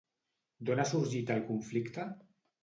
D'on ha sorgit el conflicte?